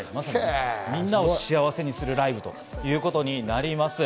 みんなを幸せにするライブということです。